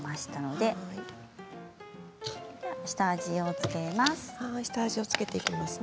下味を付けます。